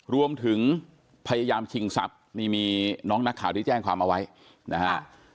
รวมถึงพยายามชิงทรัพย์นี่มีน้องนักข่าวที่แจ้งความเอาไว้นะฮะ